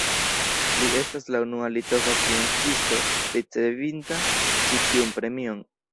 Li estas la unua litova sciencisto ricevinta ĉi tiun premion.